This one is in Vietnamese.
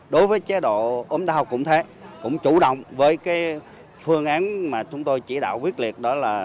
đối với chế độ ốm đau cũng thế cũng chủ động với cái phương án mà chúng tôi chỉ đạo quyết liệt đó là